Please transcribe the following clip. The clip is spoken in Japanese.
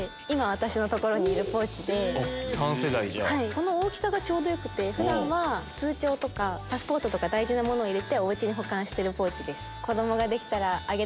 この大きさがちょうどよくて普段は通帳とかパスポートとか大事なものを入れておうちに保管してるポーチです。